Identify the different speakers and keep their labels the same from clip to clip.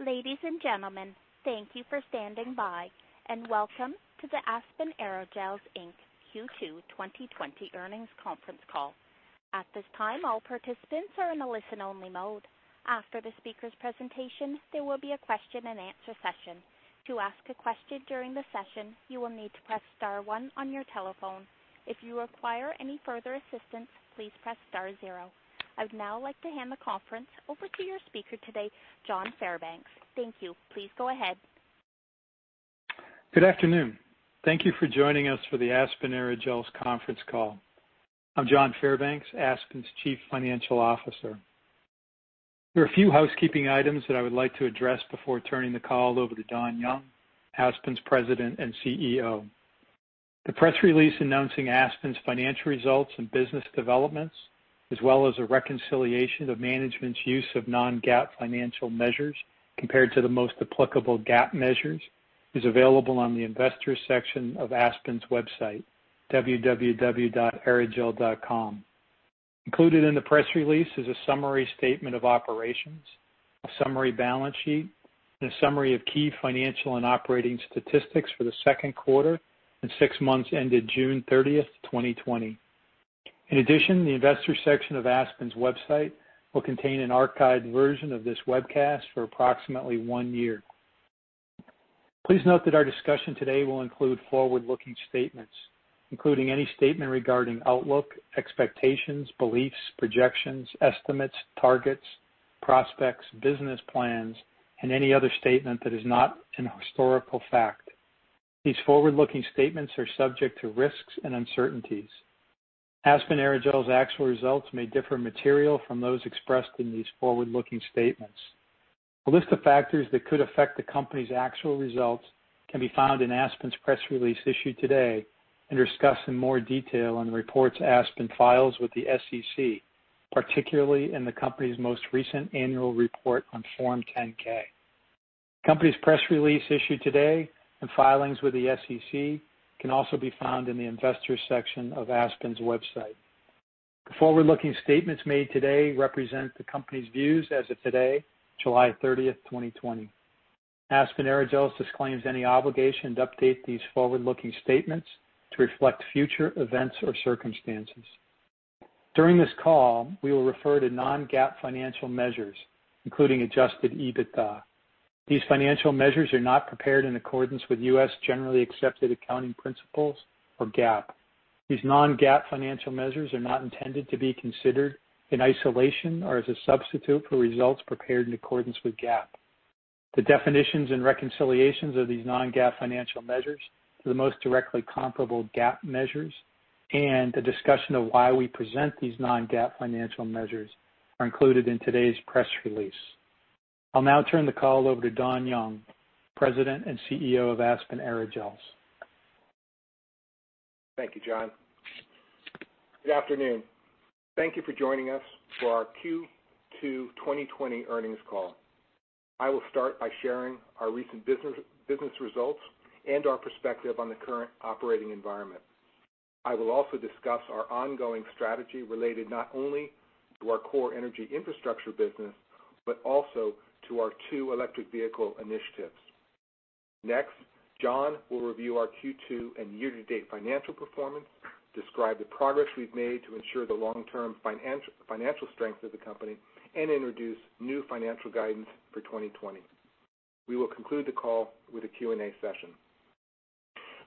Speaker 1: Ladies and gentlemen, thank you for standing by, and welcome to the Aspen Aerogels, Inc. Q2 2020 earnings conference call. At this time, all participants are in a listen-only mode. After the speaker's presentation, there will be a question-and-answer session. To ask a question during the session, you will need to press star one on your telephone. If you require any further assistance, please press star zero. I would now like to hand the conference over to your speaker today, John Fairbanks. Thank you. Please go ahead.
Speaker 2: Good afternoon. Thank you for joining us for the Aspen Aerogels conference call. I'm John Fairbanks, Aspen's Chief Financial Officer. There are a few housekeeping items that I would like to address before turning the call over to Don Young, Aspen's President and CEO. The press release announcing Aspen's financial results and business developments, as well as a reconciliation of management's use of non-GAAP financial measures compared to the most applicable GAAP measures, is available on the investors' section of Aspen's website, www.aerogels.com. Included in the press release is a summary statement of operations, a summary balance sheet, and a summary of key financial and operating statistics for the second quarter and six months ended June 30, 2020. In addition, the investors' section of Aspen's website will contain an archived version of this webcast for approximately one year. Please note that our discussion today will include forward-looking statements, including any statement regarding outlook, expectations, beliefs, projections, estimates, targets, prospects, business plans, and any other statement that is not a historical fact. These forward-looking statements are subject to risks and uncertainties. Aspen Aerogels' actual results may differ materially from those expressed in these forward-looking statements. A list of factors that could affect the company's actual results can be found in Aspen's press release issued today and discussed in more detail in the reports Aspen files with the SEC, particularly in the company's most recent annual report on Form 10-K. The company's press release issued today and filings with the SEC can also be found in the investors' section of Aspen's website. The forward-looking statements made today represent the company's views as of today, July 30, 2020. Aspen Aerogels disclaims any obligation to update these forward-looking statements to reflect future events or circumstances. During this call, we will refer to non-GAAP financial measures, including Adjusted EBITDA. These financial measures are not prepared in accordance with U.S. generally accepted accounting principles or GAAP. These non-GAAP financial measures are not intended to be considered in isolation or as a substitute for results prepared in accordance with GAAP. The definitions and reconciliations of these non-GAAP financial measures to the most directly comparable GAAP measures and the discussion of why we present these non-GAAP financial measures are included in today's press release. I'll now turn the call over to Don Young, President and CEO of Aspen Aerogels.
Speaker 3: Thank you, John. Good afternoon. Thank you for joining us for our Q2 2020 earnings call. I will start by sharing our recent business results and our perspective on the current operating environment. I will also discuss our ongoing strategy related not only to our core energy infrastructure business but also to our two electric vehicle initiatives. Next, John will review our Q2 and year-to-date financial performance, describe the progress we've made to ensure the long-term financial strength of the company, and introduce new financial guidance for 2020. We will conclude the call with a Q&A session.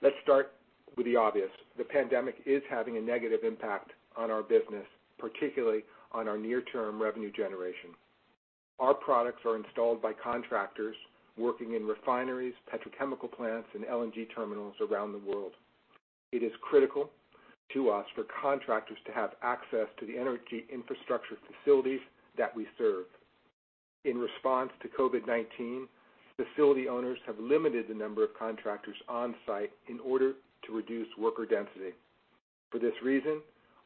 Speaker 3: Let's start with the obvious. The pandemic is having a negative impact on our business, particularly on our near-term revenue generation. Our products are installed by contractors working in refineries, petrochemical plants, and LNG terminals around the world. It is critical to us for contractors to have access to the energy infrastructure facilities that we serve. In response to COVID-19, facility owners have limited the number of contractors on-site in order to reduce worker density. For this reason,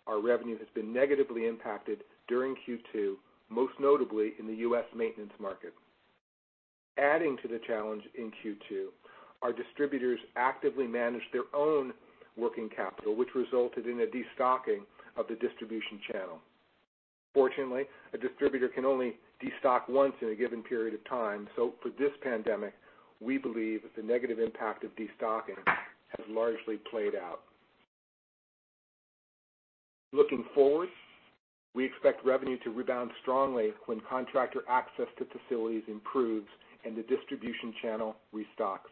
Speaker 3: our revenue has been negatively impacted during Q2, most notably in the U.S. maintenance market. Adding to the challenge in Q2, our distributors actively managed their own working capital, which resulted in a destocking of the distribution channel. Fortunately, a distributor can only destock once in a given period of time, so for this pandemic, we believe the negative impact of destocking has largely played out. Looking forward, we expect revenue to rebound strongly when contractor access to facilities improves and the distribution channel restocks.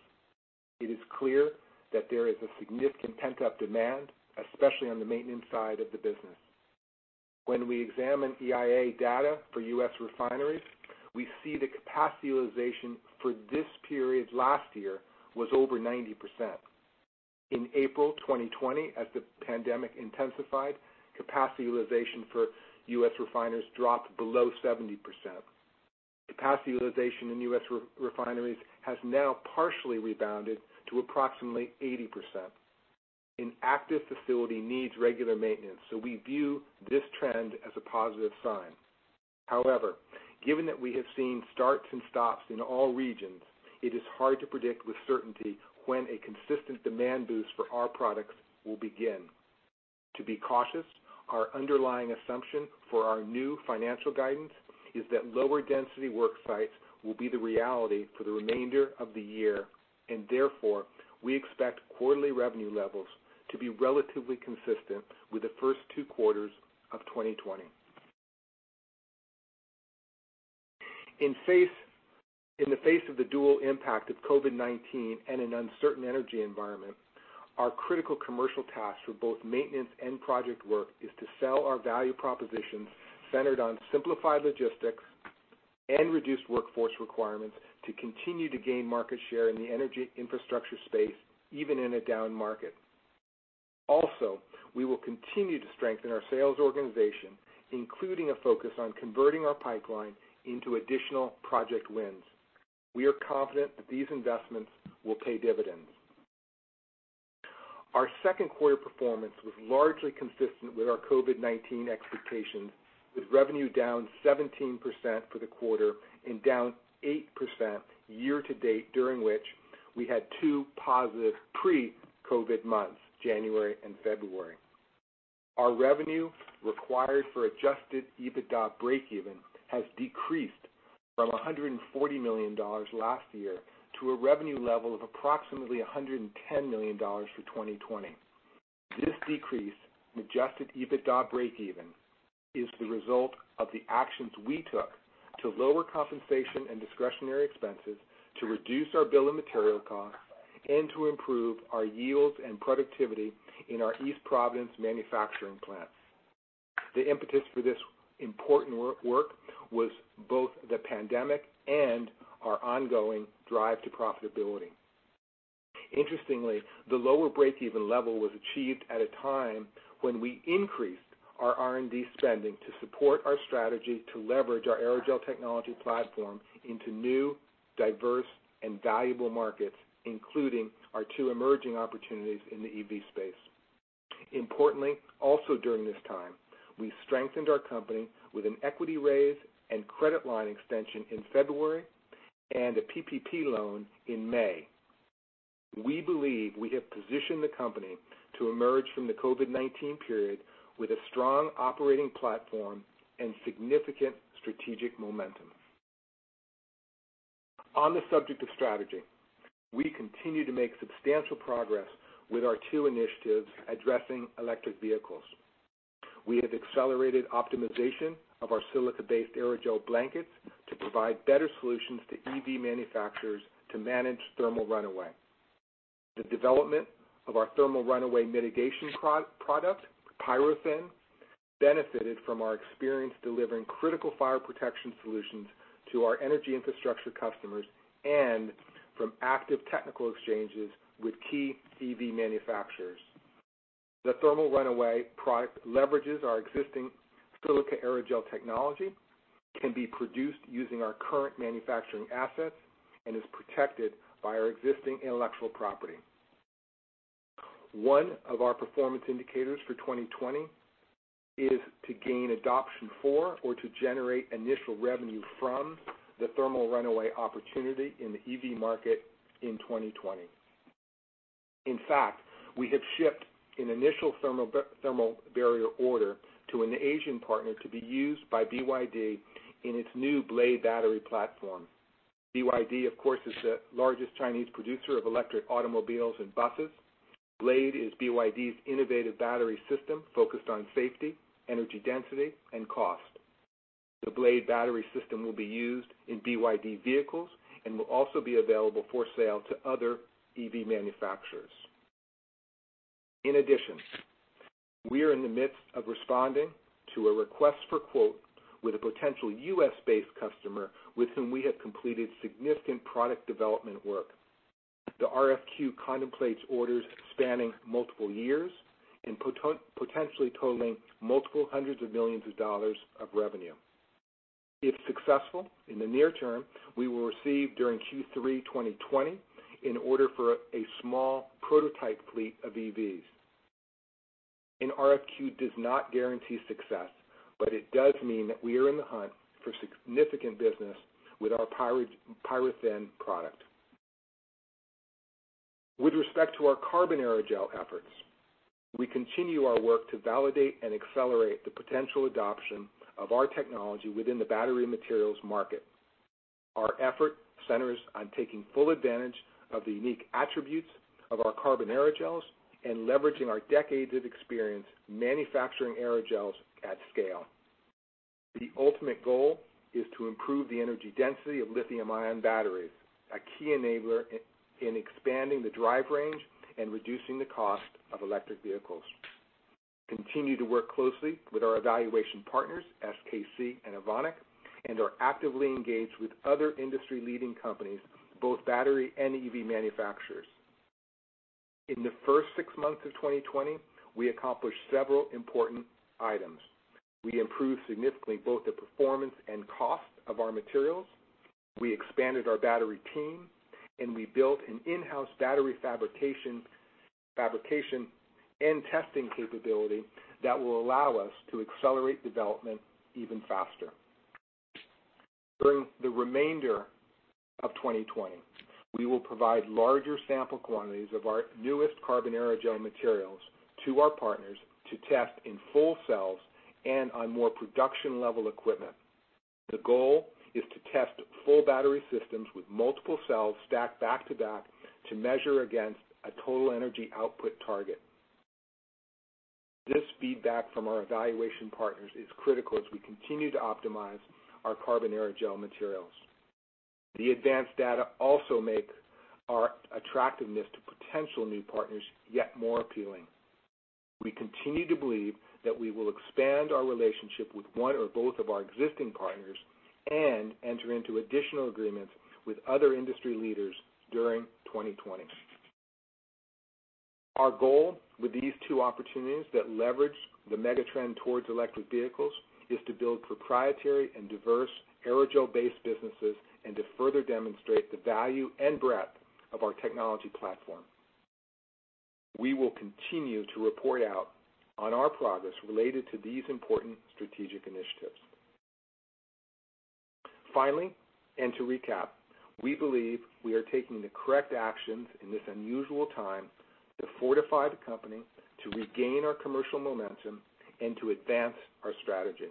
Speaker 3: It is clear that there is a significant pent-up demand, especially on the maintenance side of the business. When we examine EIA data for U.S. refineries, we see the capacity utilization for this period last year was over 90%. In April 2020, as the pandemic intensified, capacity utilization for U.S. refineries dropped below 70%. Capacity utilization in U.S. refineries has now partially rebounded to approximately 80%. An active facility needs regular maintenance, so we view this trend as a positive sign. However, given that we have seen starts and stops in all regions, it is hard to predict with certainty when a consistent demand boost for our products will begin. To be cautious, our underlying assumption for our new financial guidance is that lower-density work sites will be the reality for the remainder of the year, and therefore, we expect quarterly revenue levels to be relatively consistent with the first two quarters of 2020. In the face of the dual impact of COVID-19 and an uncertain energy environment, our critical commercial task for both maintenance and project work is to sell our value propositions centered on simplified logistics and reduced workforce requirements to continue to gain market share in the energy infrastructure space, even in a down market. Also, we will continue to strengthen our sales organization, including a focus on converting our pipeline into additional project wins. We are confident that these investments will pay dividends. Our second quarter performance was largely consistent with our COVID-19 expectations, with revenue down 17% for the quarter and down 8% year-to-date, during which we had two positive pre-COVID months, January and February. Our revenue required for Adjusted EBITDA break-even has decreased from $140 million last year to a revenue level of approximately $110 million for 2020. This decrease in Adjusted EBITDA break-even is the result of the actions we took to lower compensation and discretionary expenses, to reduce our bill of material costs, and to improve our yields and productivity in our East Providence manufacturing plants. The impetus for this important work was both the pandemic and our ongoing drive to profitability. Interestingly, the lower break-even level was achieved at a time when we increased our R&D spending to support our strategy to leverage our aerogel technology platform into new, diverse, and valuable markets, including our two emerging opportunities in the EV space. Importantly, also during this time, we strengthened our company with an equity raise and credit line extension in February and a PPP loan in May. We believe we have positioned the company to emerge from the COVID-19 period with a strong operating platform and significant strategic momentum. On the subject of strategy, we continue to make substantial progress with our two initiatives addressing electric vehicles. We have accelerated optimization of our silica-based aerogel blankets to provide better solutions to EV manufacturers to manage thermal runaway. The development of our thermal runaway mitigation product, PyroThin, benefited from our experience delivering critical fire protection solutions to our energy infrastructure customers and from active technical exchanges with key EV manufacturers. The thermal runaway product leverages our existing silica aerogel technology, can be produced using our current manufacturing assets, and is protected by our existing intellectual property. One of our performance indicators for 2020 is to gain adoption for or to generate initial revenue from the thermal runaway opportunity in the EV market in 2020. In fact, we have shipped an initial thermal barrier order to an Asian partner to be used by BYD in its new Blade Battery platform. BYD, of course, is the largest Chinese producer of electric automobiles and buses. Blade is BYD's innovative battery system focused on safety, energy density, and cost. The Blade battery system will be used in BYD vehicles and will also be available for sale to other EV manufacturers. In addition, we are in the midst of responding to a request for quote with a potential U.S.-based customer with whom we have completed significant product development work. The RFQ contemplates orders spanning multiple years and potentially totaling multiple hundreds of millions of dollars of revenue. If successful, in the near term, we will receive during Q3 2020 an order for a small prototype fleet of EVs. An RFQ does not guarantee success, but it does mean that we are in the hunt for significant business with our PyroThin product. With respect to our carbon aerogel efforts, we continue our work to validate and accelerate the potential adoption of our technology within the battery materials market. Our effort centers on taking full advantage of the unique attributes of our carbon aerogels and leveraging our decades of experience manufacturing aerogels at scale. The ultimate goal is to improve the energy density of lithium-ion batteries, a key enabler in expanding the drive range and reducing the cost of electric vehicles. We continue to work closely with our evaluation partners, SKC and Evonik, and are actively engaged with other industry-leading companies, both battery and EV manufacturers. In the first six months of 2020, we accomplished several important items. We improved significantly both the performance and cost of our materials. We expanded our battery team, and we built an in-house battery fabrication and testing capability that will allow us to accelerate development even faster. During the remainder of 2020, we will provide larger sample quantities of our newest carbon aerogel materials to our partners to test in full cells and on more production-level equipment. The goal is to test full battery systems with multiple cells stacked back to back to measure against a total energy output target. This feedback from our evaluation partners is critical as we continue to optimize our carbon aerogel materials. The advanced data also make our attractiveness to potential new partners yet more appealing. We continue to believe that we will expand our relationship with one or both of our existing partners and enter into additional agreements with other industry leaders during 2020. Our goal with these two opportunities that leverage the megatrend towards electric vehicles is to build proprietary and diverse aerogel-based businesses and to further demonstrate the value and breadth of our technology platform. We will continue to report out on our progress related to these important strategic initiatives. Finally, and to recap, we believe we are taking the correct actions in this unusual time to fortify the company, to regain our commercial momentum, and to advance our strategy.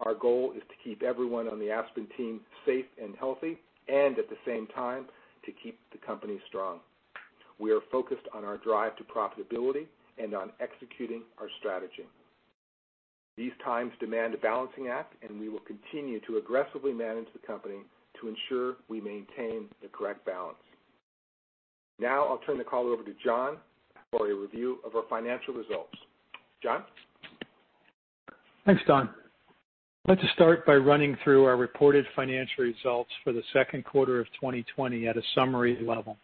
Speaker 3: Our goal is to keep everyone on the Aspen team safe and healthy and, at the same time, to keep the company strong. We are focused on our drive to profitability and on executing our strategy. These times demand a balancing act, and we will continue to aggressively manage the company to ensure we maintain the correct balance. Now, I'll turn the call over to John for a review of our financial results. John?
Speaker 2: Thanks, Don. Let's start by running through our reported financial results for the second quarter of 2020 at a summary level.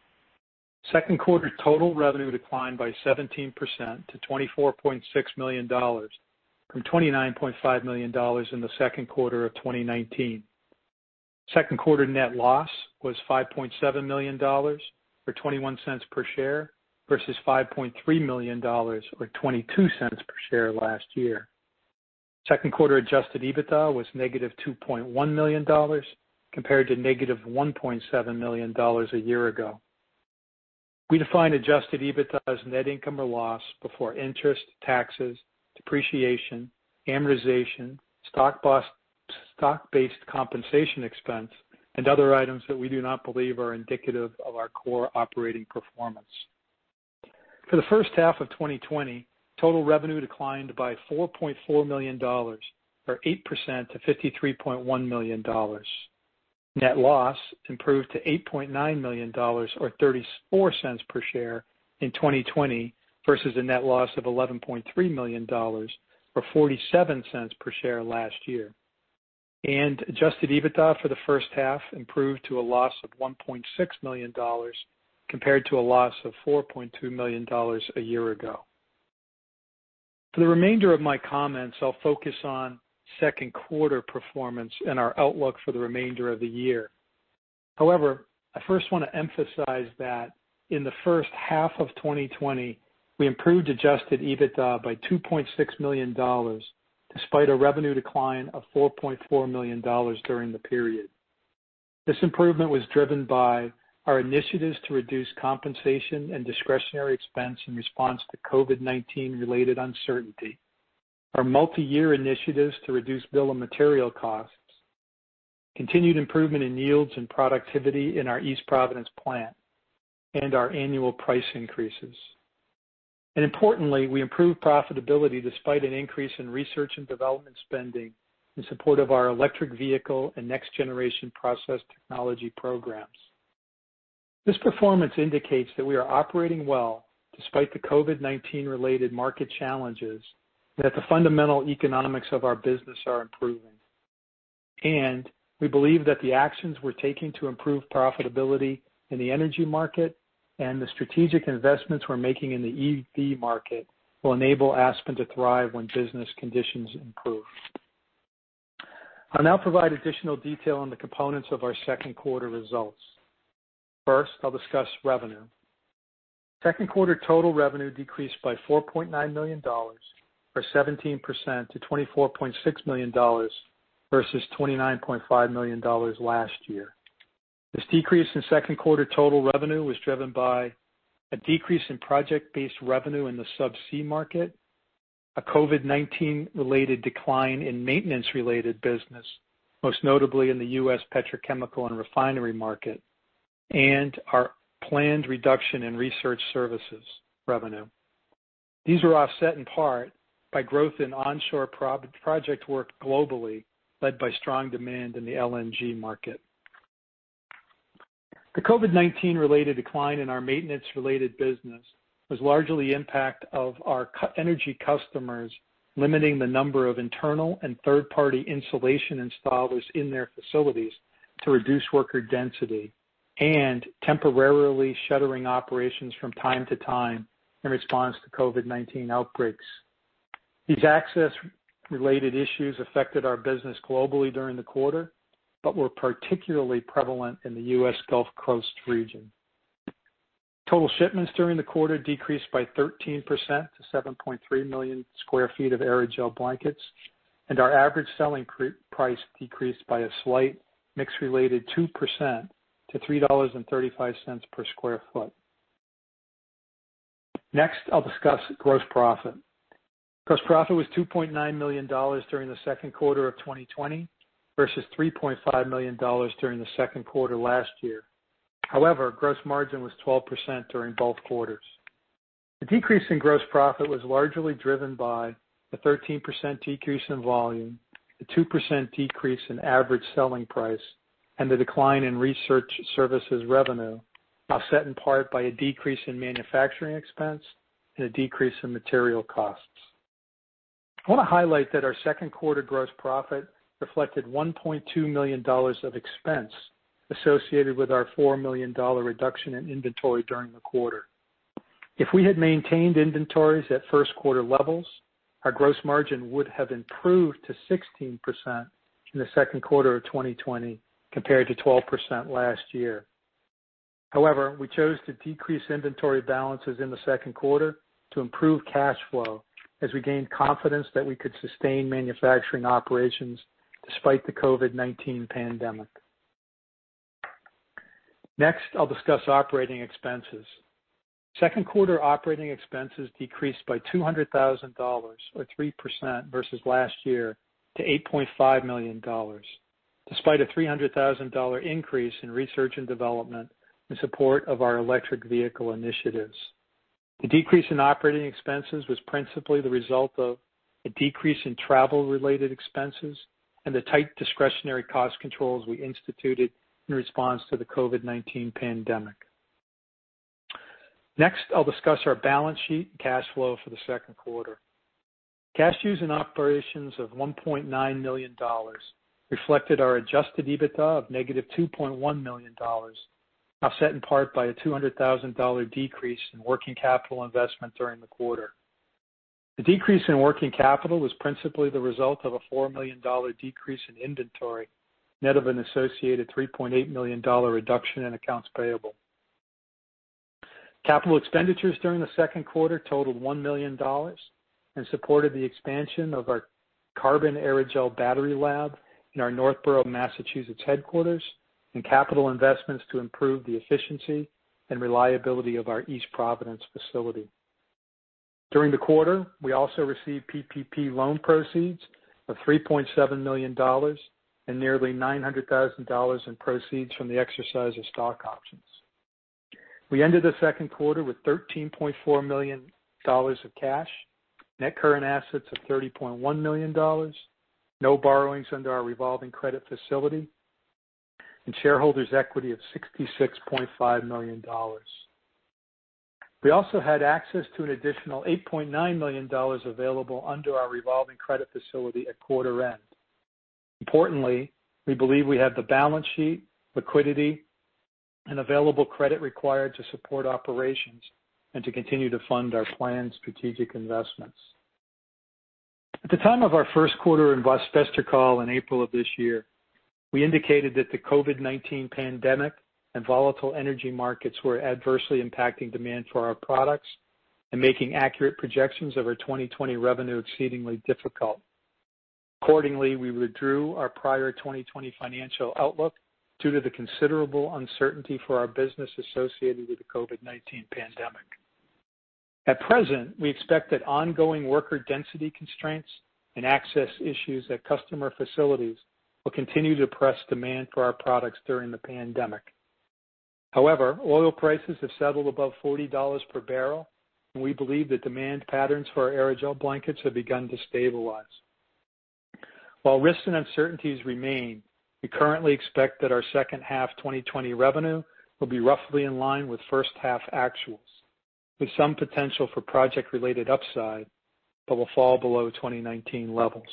Speaker 2: Second quarter total revenue declined by 17% to $24.6 million, from $29.5 million in the second quarter of 2019. Second quarter net loss was $5.7 million or 21 cents per share versus $5.3 million or 22 cents per share last year. Second quarter Adjusted EBITDA was negative $2.1 million compared to negative $1.7 million a year ago. We define Adjusted EBITDA as net income or loss before interest, taxes, depreciation, amortization, stock-based compensation expense, and other items that we do not believe are indicative of our core operating performance. For the first half of 2020, total revenue declined by $4.4 million or 8% to $53.1 million. Net loss improved to $8.9 million or $0.34 per share in 2020 versus a net loss of $11.3 million or $0.47 per share last year. And Adjusted EBITDA for the first half improved to a loss of $1.6 million compared to a loss of $4.2 million a year ago. For the remainder of my comments, I'll focus on second quarter performance and our outlook for the remainder of the year. However, I first want to emphasize that in the first half of 2020, we improved Adjusted EBITDA by $2.6 million despite a revenue decline of $4.4 million during the period. This improvement was driven by our initiatives to reduce compensation and discretionary expense in response to COVID-19-related uncertainty, our multi-year initiatives to reduce bill of material costs, continued improvement in yields and productivity in our East Providence plant, and our annual price increases. And importantly, we improved profitability despite an increase in research and development spending in support of our electric vehicle and next-generation process technology programs. This performance indicates that we are operating well despite the COVID-19-related market challenges and that the fundamental economics of our business are improving. And we believe that the actions we're taking to improve profitability in the energy market and the strategic investments we're making in the EV market will enable Aspen to thrive when business conditions improve. I'll now provide additional detail on the components of our second quarter results. First, I'll discuss revenue. Second quarter total revenue decreased by $4.9 million or 17% to $24.6 million versus $29.5 million last year. This decrease in second quarter total revenue was driven by a decrease in project-based revenue in the subsea market, a COVID-19-related decline in maintenance-related business, most notably in the U.S. petrochemical and refinery market, and our planned reduction in research services revenue. These were offset in part by growth in onshore project work globally led by strong demand in the LNG market. The COVID-19-related decline in our maintenance-related business was largely the impact of our energy customers limiting the number of internal and third-party insulation installers in their facilities to reduce worker density and temporarily shuttering operations from time to time in response to COVID-19 outbreaks. These access-related issues affected our business globally during the quarter but were particularly prevalent in the U.S. Gulf Coast region. Total shipments during the quarter decreased by 13% to 7.3 million sq ft of aerogel blankets, and our average selling price decreased by a slight mix-related 2% to $3.35 per sq ft. Next, I'll discuss gross profit. Gross profit was $2.9 million during the second quarter of 2020 versus $3.5 million during the second quarter last year. However, gross margin was 12% during both quarters. The decrease in gross profit was largely driven by the 13% decrease in volume, the 2% decrease in average selling price, and the decline in research services revenue, offset in part by a decrease in manufacturing expense and a decrease in material costs. I want to highlight that our second quarter gross profit reflected $1.2 million of expense associated with our $4 million reduction in inventory during the quarter. If we had maintained inventories at first quarter levels, our gross margin would have improved to 16% in the second quarter of 2020 compared to 12% last year. However, we chose to decrease inventory balances in the second quarter to improve cash flow as we gained confidence that we could sustain manufacturing operations despite the COVID-19 pandemic. Next, I'll discuss operating expenses. Second quarter operating expenses decreased by $200,000 or 3% versus last year to $8.5 million despite a $300,000 increase in research and development in support of our electric vehicle initiatives. The decrease in operating expenses was principally the result of a decrease in travel-related expenses and the tight discretionary cost controls we instituted in response to the COVID-19 pandemic. Next, I'll discuss our balance sheet and cash flow for the second quarter. Cash use in operations of $1.9 million reflected our Adjusted EBITDA of negative $2.1 million, offset in part by a $200,000 decrease in working capital investment during the quarter. The decrease in working capital was principally the result of a $4 million decrease in inventory net of an associated $3.8 million reduction in accounts payable. Capital expenditures during the second quarter totaled $1 million and supported the expansion of our carbon aerogel battery lab in our Northborough, Massachusetts headquarters and capital investments to improve the efficiency and reliability of our East Providence facility. During the quarter, we also received PPP loan proceeds of $3.7 million and nearly $900,000 in proceeds from the exercise of stock options. We ended the second quarter with $13.4 million of cash, net current assets of $30.1 million, no borrowings under our revolving credit facility, and shareholders' equity of $66.5 million. We also had access to an additional $8.9 million available under our revolving credit facility at quarter end. Importantly, we believe we have the balance sheet, liquidity, and available credit required to support operations and to continue to fund our planned strategic investments. At the time of our first quarter investor call in April of this year, we indicated that the COVID-19 pandemic and volatile energy markets were adversely impacting demand for our products and making accurate projections of our 2020 revenue exceedingly difficult. Accordingly, we withdrew our prior 2020 financial outlook due to the considerable uncertainty for our business associated with the COVID-19 pandemic. At present, we expect that ongoing worker density constraints and access issues at customer facilities will continue to suppress demand for our products during the pandemic. However, oil prices have settled above $40 per barrel, and we believe that demand patterns for our aerogel blankets have begun to stabilize. While risks and uncertainties remain, we currently expect that our second half 2020 revenue will be roughly in line with first half actuals, with some potential for project-related upside, but will fall below 2019 levels.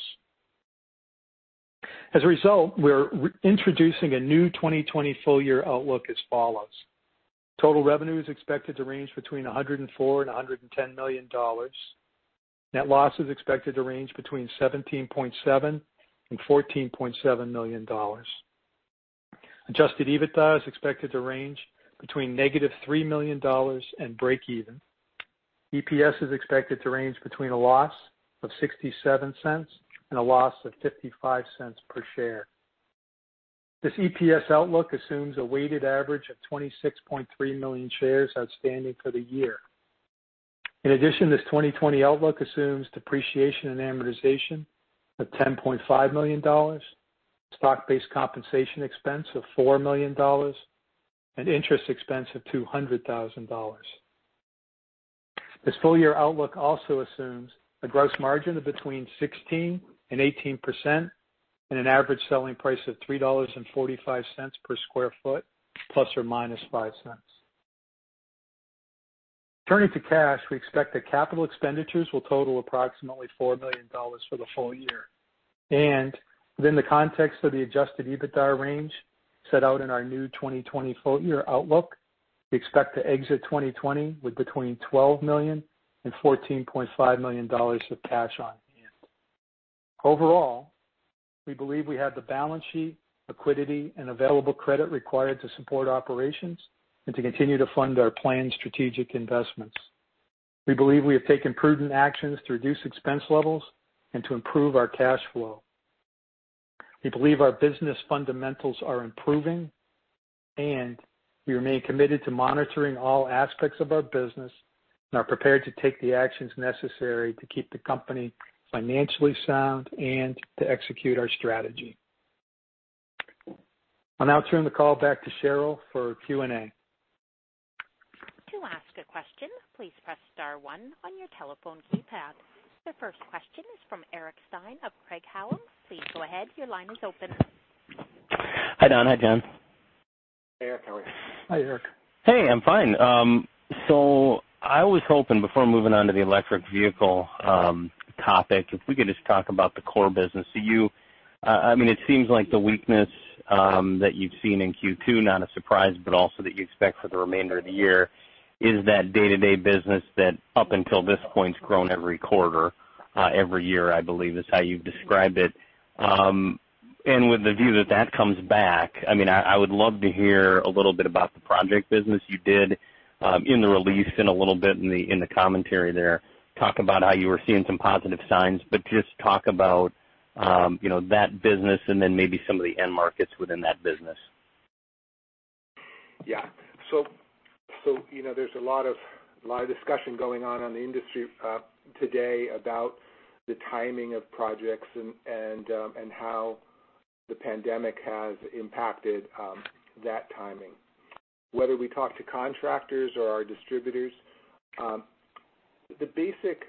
Speaker 2: As a result, we're introducing a new 2020 full-year outlook as follows. Total revenue is expected to range between $104 and $110 million. Net loss is expected to range between $17.7 and $14.7 million. Adjusted EBITDA is expected to range between negative $3 million and breakeven. EPS is expected to range between a loss of $0.67 and a loss of $0.55 per share. This EPS outlook assumes a weighted average of 26.3 million shares outstanding for the year. In addition, this 2020 outlook assumes depreciation and amortization of $10.5 million, stock-based compensation expense of $4 million, and interest expense of $200,000. This full-year outlook also assumes a gross margin of between 16% and 18% and an average selling price of $3.45 per sq ft plus or minus $0.05. Turning to cash, we expect that capital expenditures will total approximately $4 million for the full year. And within the context of the Adjusted EBITDA range set out in our new 2020 full-year outlook, we expect to exit 2020 with between $12 million and $14.5 million of cash on hand. Overall, we believe we have the balance sheet, liquidity, and available credit required to support operations and to continue to fund our planned strategic investments. We believe we have taken prudent actions to reduce expense levels and to improve our cash flow. We believe our business fundamentals are improving, and we remain committed to monitoring all aspects of our business and are prepared to take the actions necessary to keep the company financially sound and to execute our strategy. I'll now turn the call back to Cheryl for Q&A.
Speaker 1: To ask a question, please press star one on your telephone keypad. The first question is from Eric Stein of Craig-Hallum. Please go ahead. Your line is open.
Speaker 4: Hi Don. Hi John.
Speaker 2: Hey Eric. How are you?
Speaker 3: Hi Eric.
Speaker 4: Hey. I'm fine. So I was hoping before moving on to the electric vehicle topic, if we could just talk about the core business. I mean, it seems like the weakness that you've seen in Q2, not a surprise, but also that you expect for the remainder of the year, is that day-to-day business that up until this point's grown every quarter, every year, I believe, is how you've described it. And with the view that that comes back, I mean, I would love to hear a little bit about the project business you did in the release and a little bit in the commentary there. Talk about how you were seeing some positive signs, but just talk about that business and then maybe some of the end markets within that business.
Speaker 3: Yeah. So there's a lot of discussion going on in the industry today about the timing of projects and how the pandemic has impacted that timing. Whether we talk to contractors or our distributors, the basic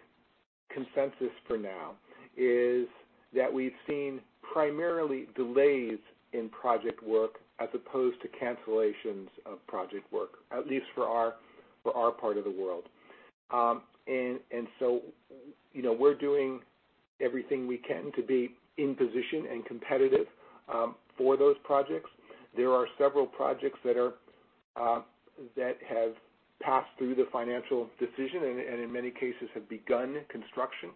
Speaker 3: consensus for now is that we've seen primarily delays in project work as opposed to cancellations of project work, at least for our part of the world. And so we're doing everything we can to be in position and competitive for those projects. There are several projects that have passed through the financial decision and in many cases have begun construction,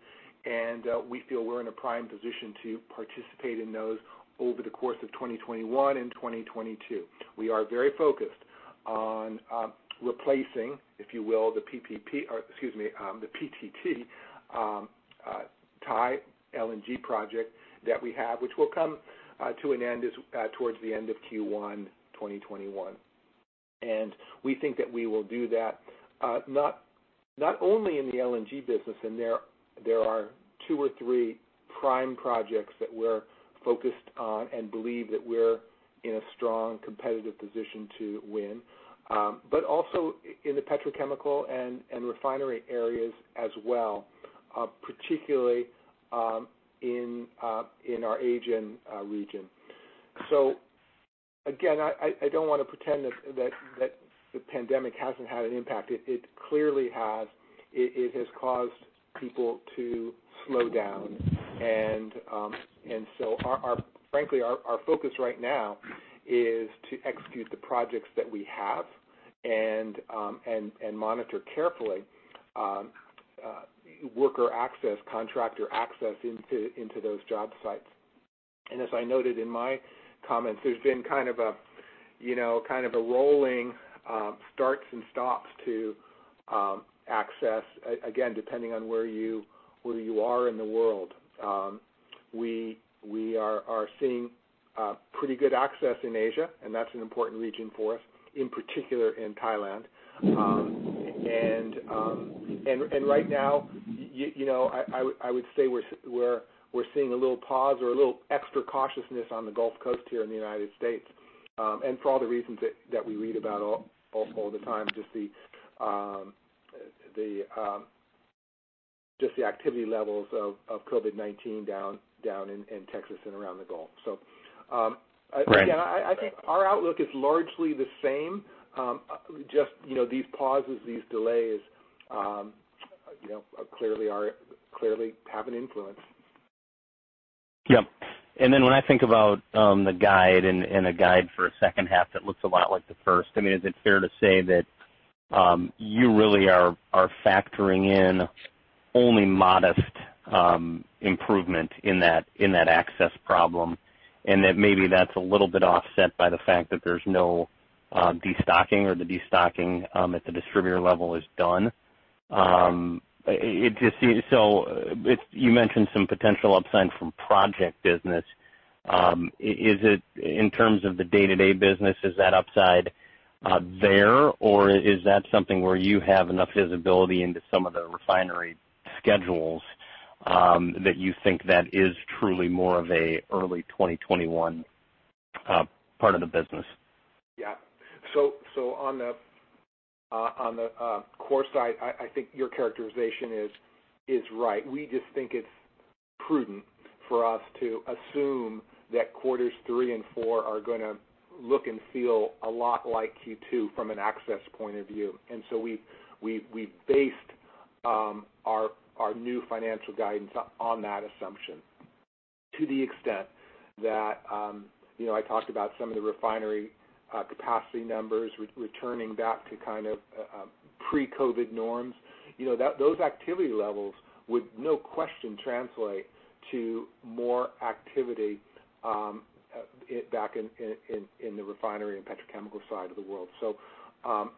Speaker 3: and we feel we're in a prime position to participate in those over the course of 2021 and 2022. We are very focused on replacing, if you will, the PPP or excuse me, the PTT's LNG project that we have, which will come to an end towards the end of Q1 2021. We think that we will do that not only in the LNG business. There are two or three prime projects that we're focused on and believe that we're in a strong competitive position to win, but also in the petrochemical and refinery areas as well, particularly in our Asian region. Again, I don't want to pretend that the pandemic hasn't had an impact. It clearly has. It has caused people to slow down. Frankly, our focus right now is to execute the projects that we have and monitor carefully worker access, contractor access into those job sites. As I noted in my comments, there's been kind of a rolling starts and stops to access, again, depending on where you are in the world. We are seeing pretty good access in Asia, and that's an important region for us, in particular in Thailand. And right now, I would say we're seeing a little pause or a little extra cautiousness on the Gulf Coast here in the United States. And for all the reasons that we read about all the time, just the activity levels of COVID-19 down in Texas and around the Gulf. So again, I think our outlook is largely the same. Just these pauses, these delays clearly have an influence.
Speaker 2: Yeah. And then when I think about the guide and a guide for a second half that looks a lot like the first, I mean, is it fair to say that you really are factoring in only modest improvement in that access problem and that maybe that's a little bit offset by the fact that there's no destocking or the destocking at the distributor level is done? So you mentioned some potential upside from project business. In terms of the day-to-day business, is that upside there, or is that something where you have enough visibility into some of the refinery schedules that you think that is truly more of an early 2021 part of the business?
Speaker 3: Yeah. So on the core side, I think your characterization is right. We just think it's prudent for us to assume that quarters three and four are going to look and feel a lot like Q2 from an access point of view. And so we've based our new financial guidance on that assumption to the extent that I talked about some of the refinery capacity numbers returning back to kind of pre-COVID norms. Those activity levels would no question translate to more activity back in the refinery and petrochemical side of the world. So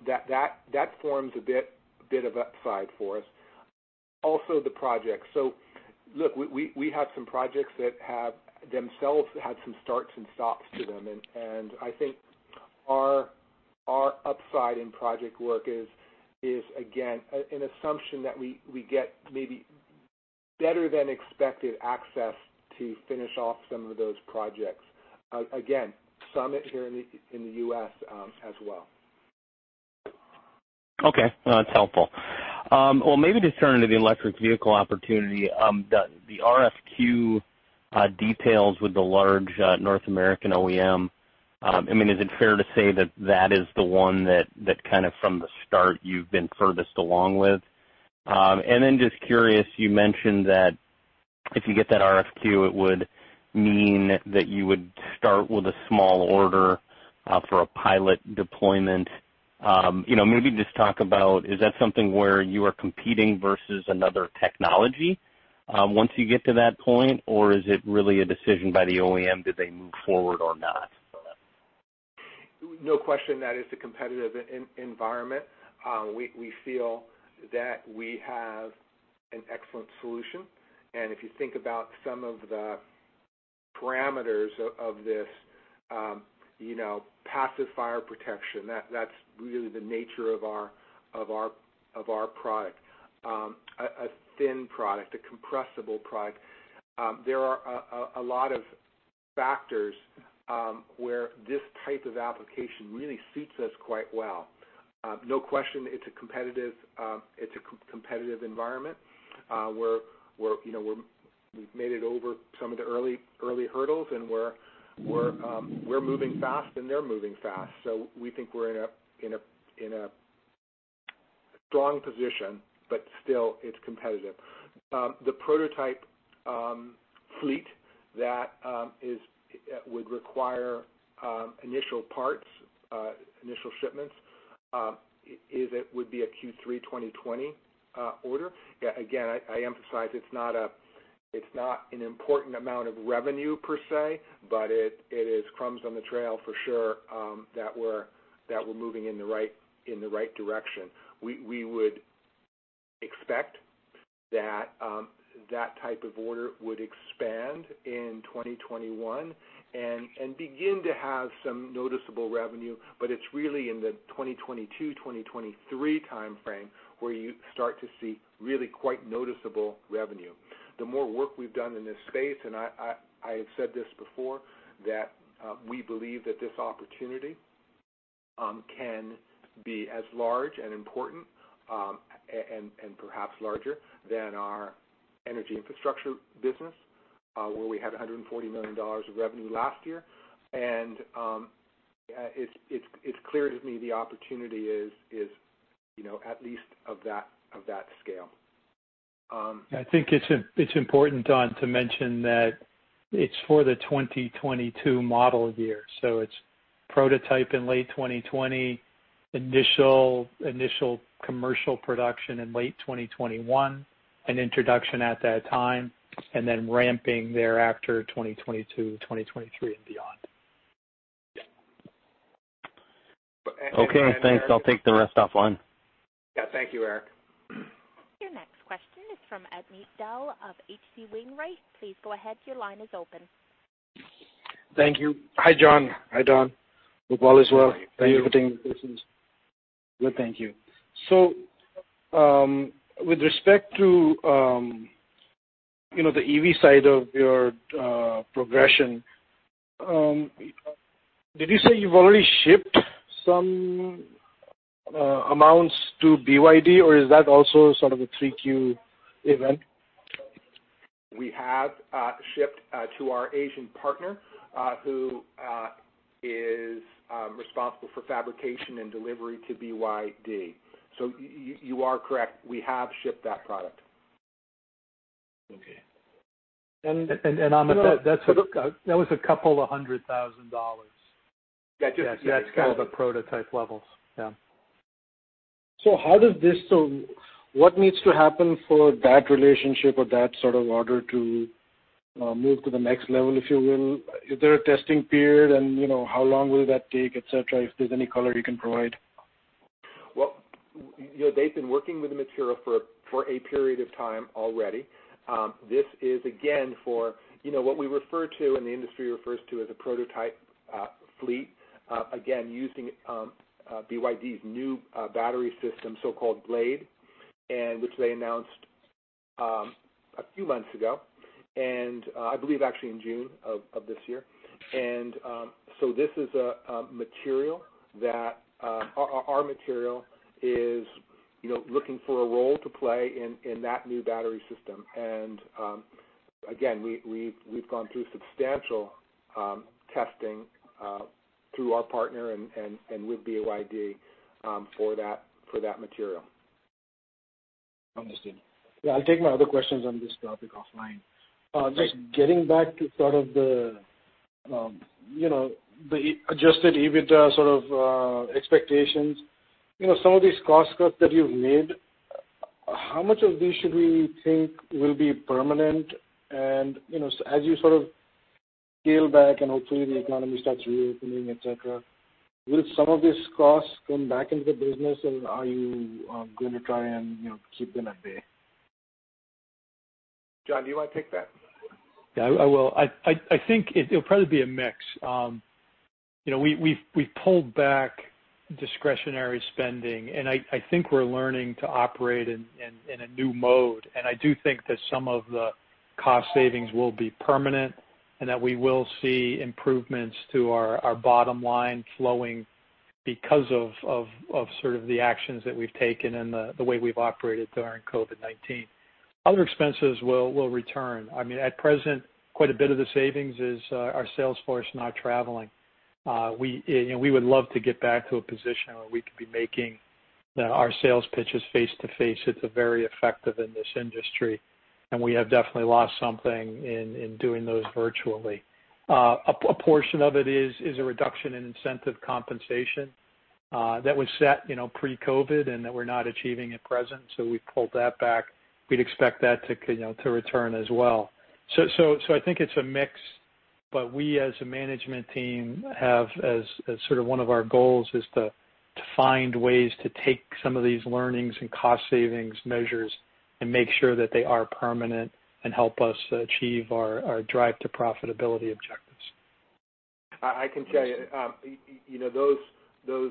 Speaker 3: that forms a bit of upside for us. Also, the projects. So look, we have some projects that have themselves had some starts and stops to them. And I think our upside in project work is, again, an assumption that we get maybe better than expected access to finish off some of those projects. Again, some here in the U.S. as well.
Speaker 4: Okay. That's helpful. Well, maybe to turn to the electric vehicle opportunity, the RFQ details with the large North American OEM. I mean, is it fair to say that that is the one that kind of from the start you've been furthest along with? And then just curious, you mentioned that if you get that RFQ, it would mean that you would start with a small order for a pilot deployment. Maybe just talk about, is that something where you are competing versus another technology once you get to that point, or is it really a decision by the OEM? Do they move forward or not?
Speaker 3: No question that is a competitive environment. We feel that we have an excellent solution, and if you think about some of the parameters of this passive fire protection, that's really the nature of our product. A thin product, a compressible product. There are a lot of factors where this type of application really suits us quite well. No question it's a competitive environment where we've made it over some of the early hurdles, and we're moving fast, and they're moving fast, so we think we're in a strong position, but still, it's competitive. The prototype fleet that would require initial parts, initial shipments, it would be a Q3 2020 order. Again, I emphasize it's not an important amount of revenue per se, but it is crumbs on the trail for sure that we're moving in the right direction. We would expect that that type of order would expand in 2021 and begin to have some noticeable revenue, but it's really in the 2022, 2023 timeframe where you start to see really quite noticeable revenue. The more work we've done in this space, and I have said this before, that we believe that this opportunity can be as large and important and perhaps larger than our energy infrastructure business where we had $140 million of revenue last year, and it's clear to me the opportunity is at least of that scale.
Speaker 2: I think it's important, Don, to mention that it's for the 2022 model year. So it's prototype in late 2020, initial commercial production in late 2021, and introduction at that time, and then ramping thereafter 2022, 2023, and beyond.
Speaker 4: Okay. Thanks. I'll take the rest offline.
Speaker 3: Yeah. Thank you, Eric.
Speaker 1: Your next question is from Amit Dayal of H.C. Wainwright. Please go ahead. Your line is open.
Speaker 5: Thank you. Hi, John. Hi, Don. Hope all is well. Thank you for taking the questions.
Speaker 2: Good. Thank you.
Speaker 5: So with respect to the EV side of your progression, did you say you've already shipped some amounts to BYD, or is that also sort of a 3Q event?
Speaker 3: We have shipped to our Asian partner who is responsible for fabrication and delivery to BYD. So you are correct. We have shipped that product.
Speaker 2: And that was a couple $100,000.
Speaker 3: Yeah. That's kind of the prototype levels. Yeah.
Speaker 5: What needs to happen for that relationship or that sort of order to move to the next level, if you will? Is there a testing period, and how long will that take, etc.? If there's any color you can provide?
Speaker 3: They've been working with the material for a period of time already. This is, again, for what we refer to and the industry refers to as a prototype fleet, again, using BYD's new battery system, so-called Blade, which they announced a few months ago, and I believe actually in June of this year. This is a material that our material is looking for a role to play in that new battery system. We've gone through substantial testing through our partner and with BYD for that material.
Speaker 5: Understood. Yeah. I'll take my other questions on this topic offline. Just getting back to sort of the Adjusted EBITDA sort of expectations, some of these cost cuts that you've made, how much of these should we think will be permanent? And as you sort of scale back and hopefully the economy starts reopening, etc., will some of these costs come back into the business, or are you going to try and keep them at bay?
Speaker 3: John, do you want to take that?
Speaker 2: Yeah, I will. I think it'll probably be a mix. We've pulled back discretionary spending, and I think we're learning to operate in a new mode, and I do think that some of the cost savings will be permanent and that we will see improvements to our bottom line flowing because of sort of the actions that we've taken and the way we've operated during COVID-19. Other expenses will return. I mean, at present, quite a bit of the savings is our sales force not traveling. We would love to get back to a position where we could be making our sales pitches face-to-face. It's very effective in this industry, and we have definitely lost something in doing those virtually. A portion of it is a reduction in incentive compensation that was set pre-COVID and that we're not achieving at present, so we've pulled that back. We'd expect that to return as well. So I think it's a mix, but we as a management team have as sort of one of our goals is to find ways to take some of these learnings and cost savings measures and make sure that they are permanent and help us achieve our drive to profitability objectives.
Speaker 3: I can tell you those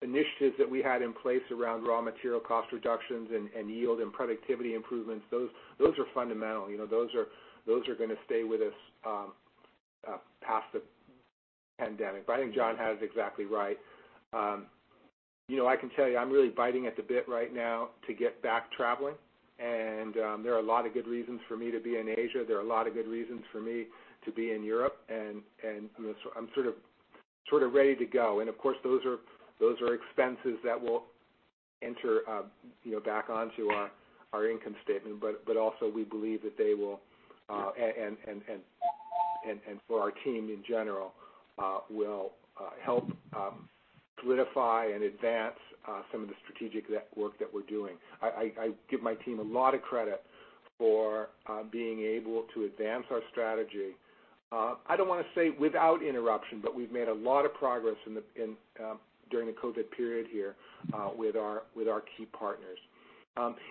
Speaker 3: initiatives that we had in place around raw material cost reductions and yield and productivity improvements, those are fundamental. Those are going to stay with us past the pandemic. But I think John has it exactly right. I can tell you I'm really champing at the bit right now to get back traveling. And there are a lot of good reasons for me to be in Asia. There are a lot of good reasons for me to be in Europe. And I'm sort of ready to go. And of course, those are expenses that will enter back onto our income statement, but also we believe that they will, and for our team in general, will help solidify and advance some of the strategic work that we're doing. I give my team a lot of credit for being able to advance our strategy. I don't want to say without interruption, but we've made a lot of progress during the COVID period here with our key partners.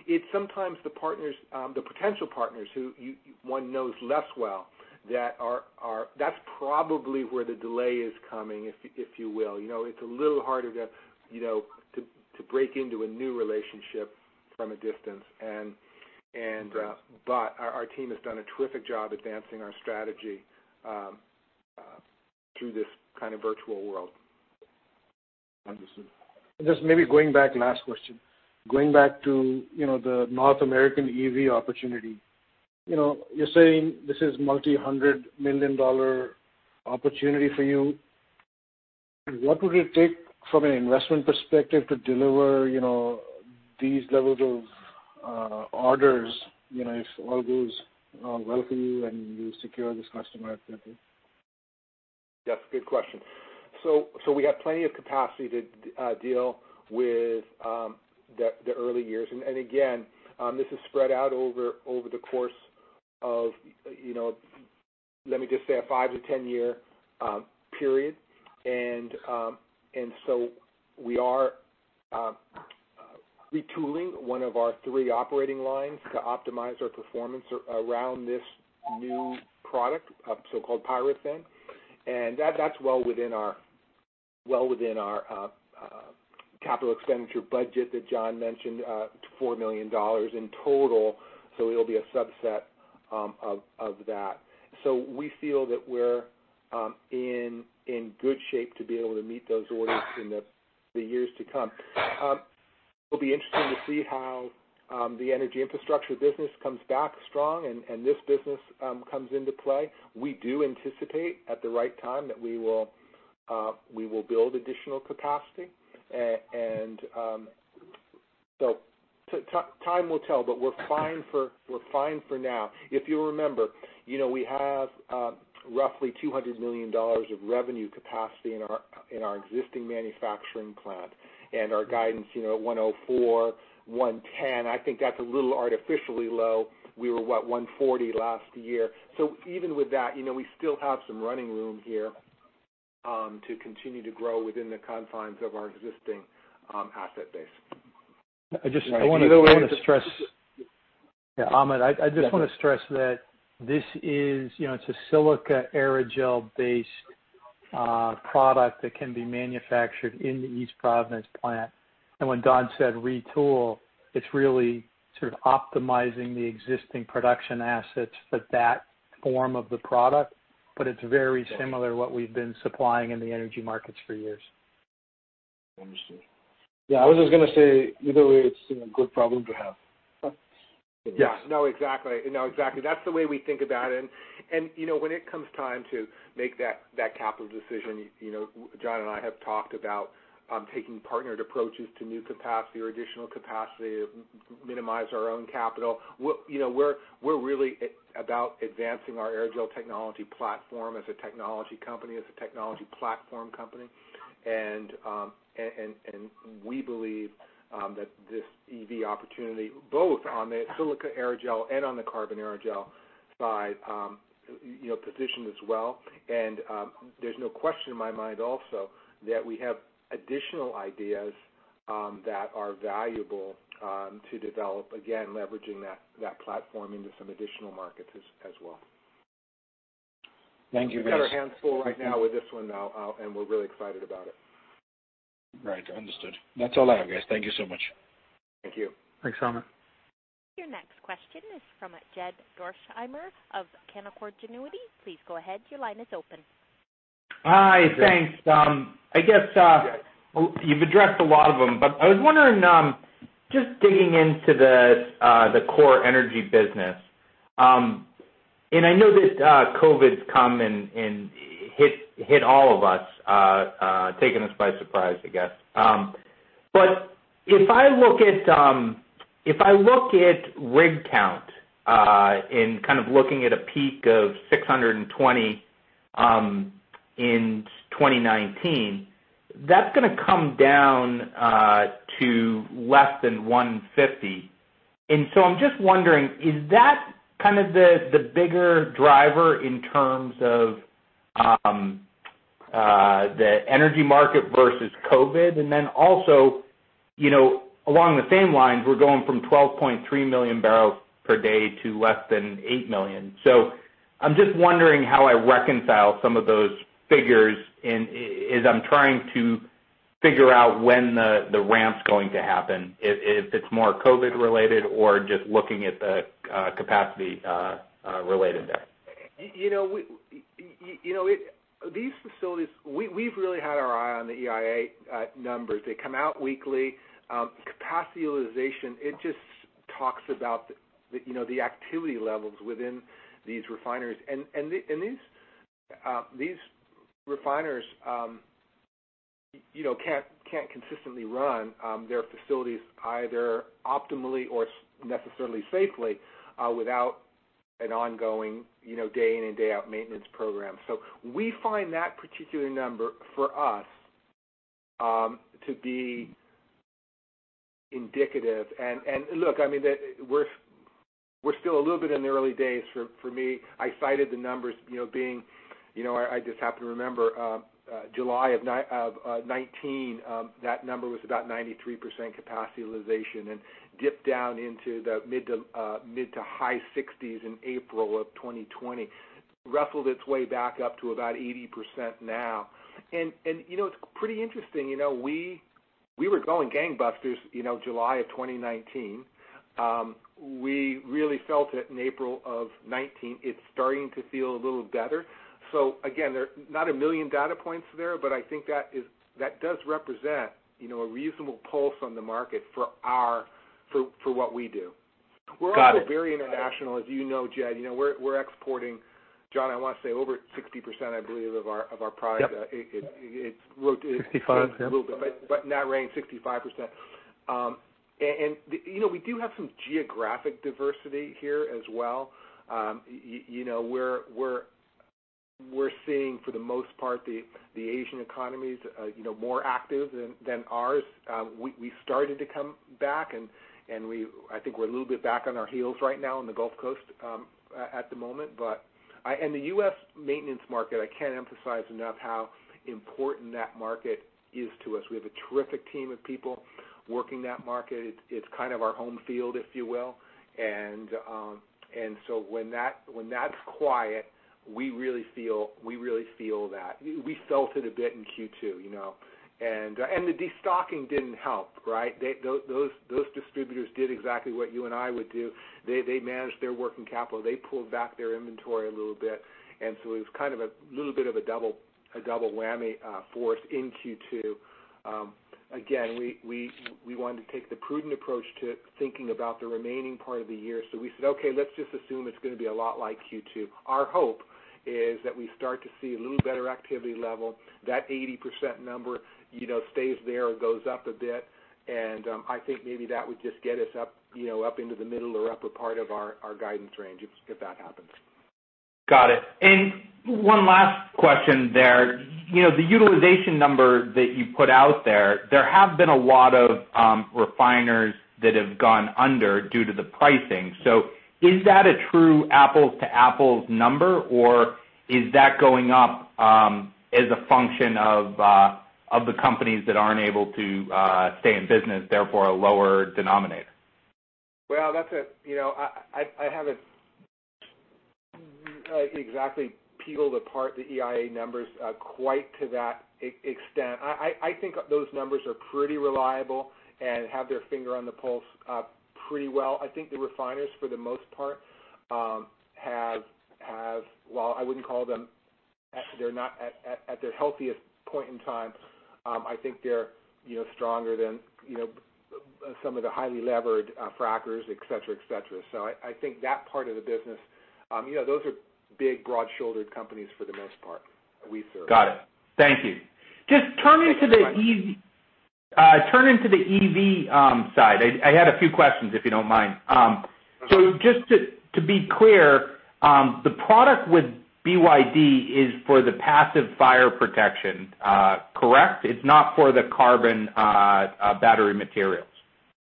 Speaker 3: It's sometimes the potential partners who one knows less well that that's probably where the delay is coming, if you will. It's a little harder to break into a new relationship from a distance. But our team has done a terrific job advancing our strategy through this kind of virtual world.
Speaker 5: Understood. Just maybe going back, last question. Going back to the North American EV opportunity, you're saying this is a multi-hundred million dollar opportunity for you. What would it take from an investment perspective to deliver these levels of orders if all goes well for you and you secure this customer?
Speaker 3: Yes. Good question. So we have plenty of capacity to deal with the early years. And again, this is spread out over the course of, let me just say, a five to 10-year period. And so we are retooling one of our three operating lines to optimize our performance around this new product, so-called PyroThin. And that's well within our capital expenditure budget that John mentioned, $4 million in total. So it'll be a subset of that. So we feel that we're in good shape to be able to meet those orders in the years to come. It'll be interesting to see how the energy infrastructure business comes back strong and this business comes into play. We do anticipate at the right time that we will build additional capacity. And so time will tell, but we're fine for now. If you remember, we have roughly $200 million of revenue capacity in our existing manufacturing plant. And our guidance at $104-$110 million, I think that's a little artificially low. We were, what, $140 million last year. So even with that, we still have some running room here to continue to grow within the confines of our existing asset base.
Speaker 2: I just want to stress.
Speaker 3: Yeah.
Speaker 2: I just want to stress that this is a silica aerogel-based product that can be manufactured in the East Providence plant. And when Don said retool, it's really sort of optimizing the existing production assets for that form of the product, but it's very similar to what we've been supplying in the energy markets for years. Understood. Yeah. I was just going to say either way, it's a good problem to have.
Speaker 3: Yeah. No, exactly. No, exactly. That's the way we think about it. And when it comes time to make that capital decision, John and I have talked about taking partnered approaches to new capacity or additional capacity to minimize our own capital. We're really about advancing our aerogel technology platform as a technology company, as a technology platform company. And we believe that this EV opportunity, both on the silica aerogel and on the carbon aerogel side, positions us well. And there's no question in my mind also that we have additional ideas that are valuable to develop, again, leveraging that platform into some additional markets as well.
Speaker 2: Thank you, guys.
Speaker 3: We've got our hands full right now with this one, though, and we're really excited about it.
Speaker 5: Right. Understood. That's all I have, guys. Thank you so much.
Speaker 3: Thank you.
Speaker 2: Thanks, Amit.
Speaker 1: Your next question is from Jed Dorsheimer of Canaccord Genuity. Please go ahead. Your line is open.
Speaker 6: Hi. Thanks. I guess you've addressed a lot of them, but I was wondering, just digging into the core energy business, and I know that COVID's come and hit all of us, taken us by surprise, I guess. But if I look at rig count and kind of looking at a peak of 620 in 2019, that's going to come down to less than 150. And so I'm just wondering, is that kind of the bigger driver in terms of the energy market versus COVID? And then also, along the same lines, we're going from 12.3 million barrels per day to less than 8 million. So I'm just wondering how I reconcile some of those figures as I'm trying to figure out when the ramp's going to happen, if it's more COVID-related or just looking at the capacity-related there.
Speaker 3: You know, these facilities, we've really had our eye on the EIA numbers. They come out weekly. Capacity utilization, it just talks about the activity levels within these refineries. And these refineries can't consistently run their facilities either optimally or necessarily safely without an ongoing day-in and day-out maintenance program. So we find that particular number for us to be indicative. And look, I mean, we're still a little bit in the early days for me. I cited the numbers being I just happened to remember July of 2019, that number was about 93% capacity utilization and dipped down into the mid to high 60s in April of 2020, wrestled its way back up to about 80% now. And it's pretty interesting. We were going gangbusters July of 2019. We really felt it in April of 2019. It's starting to feel a little better. So again, not a million data points there, but I think that does represent a reasonable pulse on the market for what we do. We're also very international. As you know, Jed, we're exporting, John, I want to say over 60%, I believe, of our product.
Speaker 2: 65%?
Speaker 3: But in that range, 65%. And we do have some geographic diversity here as well. We're seeing, for the most part, the Asian economies more active than ours. We started to come back, and I think we're a little bit back on our heels right now on the Gulf Coast at the moment. But in the U.S. maintenance market, I can't emphasize enough how important that market is to us. We have a terrific team of people working that market. It's kind of our home field, if you will. And so when that's quiet, we really feel that. We felt it a bit in Q2. And the destocking didn't help, right? Those distributors did exactly what you and I would do. They managed their working capital. They pulled back their inventory a little bit. And so it was kind of a little bit of a double whammy for us in Q2. Again, we wanted to take the prudent approach to thinking about the remaining part of the year. So we said, "Okay, let's just assume it's going to be a lot like Q2." Our hope is that we start to see a little better activity level. That 80% number stays there or goes up a bit. And I think maybe that would just get us up into the middle or upper part of our guidance range if that happens.
Speaker 6: Got it, and one last question there. The utilization number that you put out there, there have been a lot of refineries that have gone under due to the pricing, so is that a true apples-to-apples number, or is that going up as a function of the companies that aren't able to stay in business, therefore a lower denominator?
Speaker 3: Well, I haven't exactly peeled apart the EIA numbers quite to that extent. I think those numbers are pretty reliable and have their finger on the pulse pretty well. I think the refineries, for the most part, have, well, I wouldn't call them, they're not at their healthiest point in time. I think they're stronger than some of the highly levered frackers, etc., etc. So I think that part of the business, those are big, broad-shouldered companies for the most part we serve.
Speaker 6: Got it. Thank you. Just turning to the EV side. I had a few questions, if you don't mind. So just to be clear, the product with BYD is for the passive fire protection, correct? It's not for the carbon battery materials.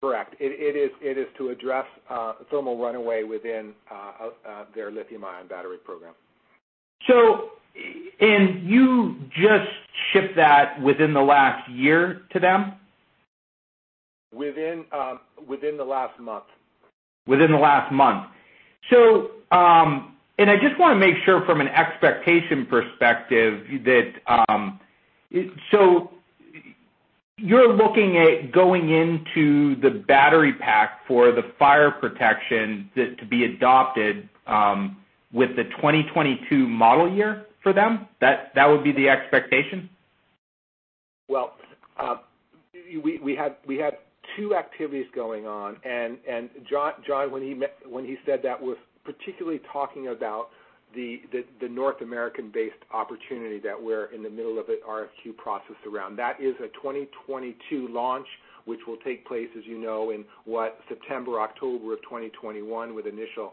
Speaker 3: Correct. It is to address thermal runaway within their lithium-ion battery program.
Speaker 6: So you just shipped that within the last year to them?
Speaker 3: Within the last month.
Speaker 6: Within the last month, and I just want to make sure from an expectation perspective that—so you're looking at going into the battery pack for the fire protection to be adopted with the 2022 model year for them? That would be the expectation?
Speaker 3: Well, we had two activities going on. And John, when he said that, was particularly talking about the North American-based opportunity that we're in the middle of an RFQ process around. That is a 2022 launch, which will take place, as you know, in what, September, October of 2021 with initial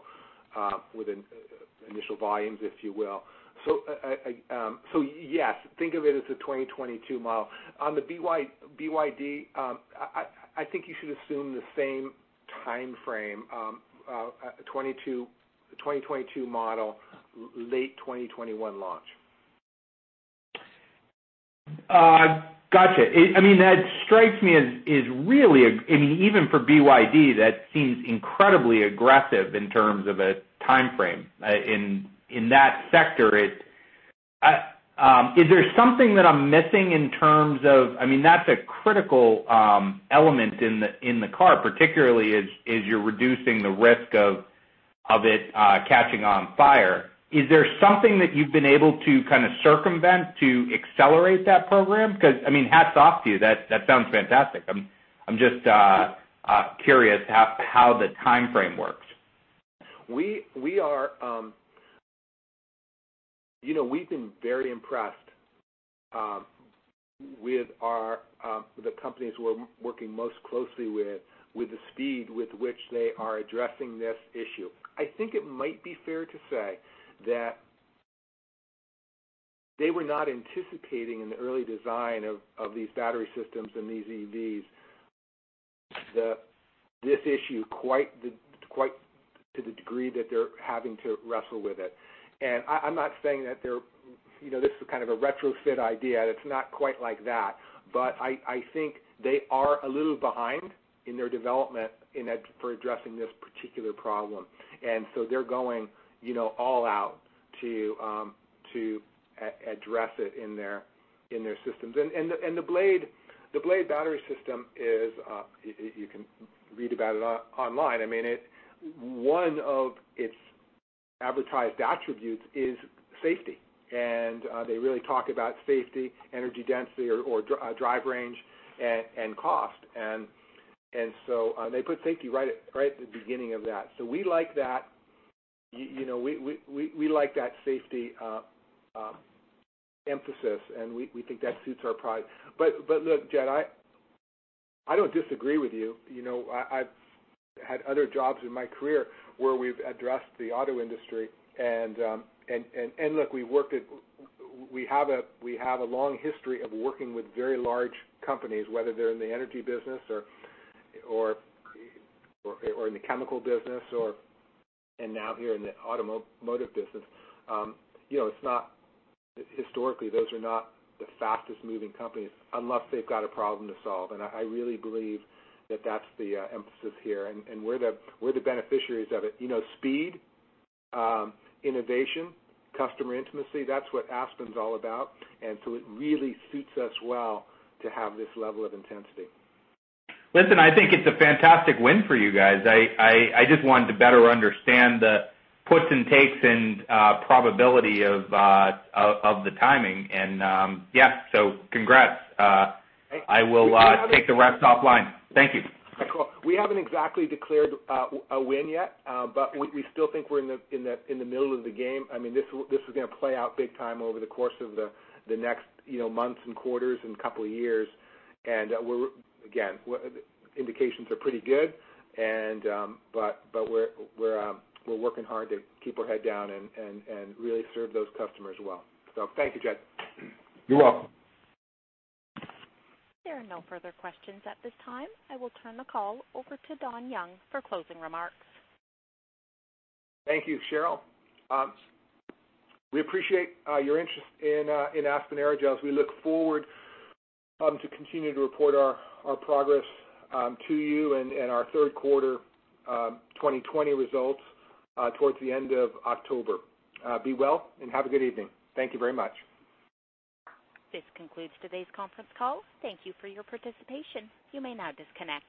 Speaker 3: volumes, if you will. So yes, think of it as a 2022 model. On the BYD, I think you should assume the same timeframe, 2022 model, late 2021 launch.
Speaker 6: Gotcha. I mean, that strikes me as really, I mean, even for BYD, that seems incredibly aggressive in terms of a timeframe. In that sector, is there something that I'm missing in terms of, I mean, that's a critical element in the car, particularly as you're reducing the risk of it catching on fire. Is there something that you've been able to kind of circumvent to accelerate that program? Because, I mean, hats off to you. That sounds fantastic. I'm just curious how the timeframe works.
Speaker 3: We've been very impressed with the companies we're working most closely with, with the speed with which they are addressing this issue. I think it might be fair to say that they were not anticipating in the early design of these battery systems and these EVs this issue quite to the degree that they're having to wrestle with it. And I'm not saying that this is kind of a retrofit idea. It's not quite like that. But I think they are a little behind in their development for addressing this particular problem. And so they're going all out to address it in their systems. And the Blade Battery system is. You can read about it online. I mean, one of its advertised attributes is safety. And they really talk about safety, energy density, or drive range and cost. And so they put safety right at the beginning of that. So we like that. We like that safety emphasis, and we think that suits our product. But look, Jed, I don't disagree with you. I've had other jobs in my career where we've addressed the auto industry. And look, we've worked at, we have a long history of working with very large companies, whether they're in the energy business or in the chemical business or now here in the automotive business. Historically, those are not the fastest-moving companies unless they've got a problem to solve. And I really believe that that's the emphasis here. And we're the beneficiaries of it. Speed, innovation, customer intimacy, that's what Aspen's all about. And so it really suits us well to have this level of intensity.
Speaker 6: Listen, I think it's a fantastic win for you guys. I just wanted to better understand the puts and takes and probability of the timing. And yeah, so congrats. I will take the rest offline. Thank you.
Speaker 3: We haven't exactly declared a win yet, but we still think we're in the middle of the game. I mean, this is going to play out big time over the course of the next months and quarters and couple of years. And again, indications are pretty good, but we're working hard to keep our head down and really serve those customers well. So thank you, Jed.
Speaker 2: You're welcome.
Speaker 1: There are no further questions at this time. I will turn the call over to Don Young for closing remarks.
Speaker 3: Thank you, Cheryl. We appreciate your interest in Aspen Aerogels. We look forward to continuing to report our progress to you and our third quarter 2020 results towards the end of October. Be well and have a good evening. Thank you very much.
Speaker 1: This concludes today's conference call. Thank you for your participation. You may now disconnect.